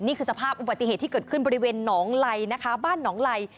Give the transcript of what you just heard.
นี่คือสภาพอุบัติเหตุที่เกิดขึ้นบริเวณหนองไหลนะคะบ้านหนองไล